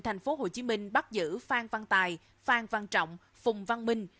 thành phố hồ chí minh bắt giữ phan văn tài phan văn trọng phùng văn minh